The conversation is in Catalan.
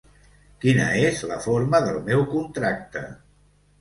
Quina és la forma del meu contracte?